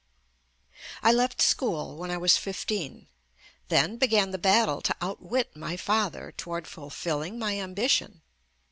\ I left school when I was fifteen, then began the battle to outwit my father toward fulfilling my ambition.